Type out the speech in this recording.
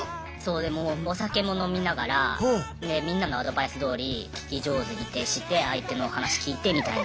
でもうお酒も飲みながらみんなのアドバイスどおり聞き上手に徹して相手のお話聞いてみたいな。